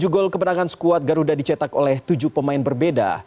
tujuh gol kemenangan skuad garuda dicetak oleh tujuh pemain berbeda